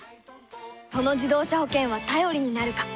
その自動車保険は頼りになるか。